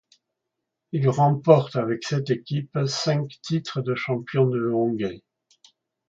Il remporte avec cette équipe cinq titres de champion de Hongrie.